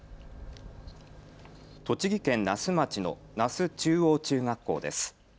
栃木県那須町の那須中央中学校です。